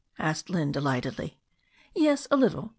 asked Lynne delightedly. "Yes, a little.